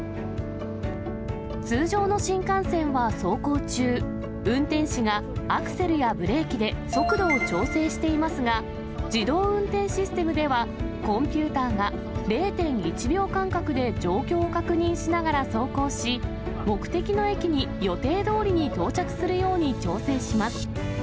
通常の新幹線は走行中、運転士がアクセルやブレーキで速度を調整していますが、自動運転システムでは、コンピューターが０．１秒間隔で状況を確認しながら走行し、目的の駅に予定どおりに到着するように調整します。